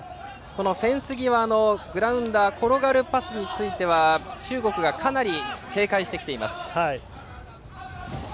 フェンス際のグラウンダー転がるパスについては中国がかなり警戒してきています。